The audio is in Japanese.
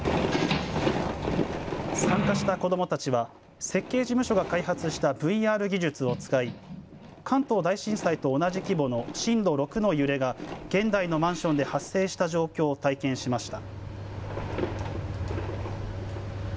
参加した子どもたちは設計事務所が開発したＶＲ技術を使い関東大震災と同じ規模の震度６の揺れが現代のマンションで発生した状況を体験しました。